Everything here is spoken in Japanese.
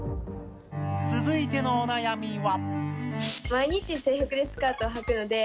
続いてのお悩みは。